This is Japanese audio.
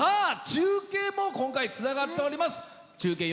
中継も今回つながっています。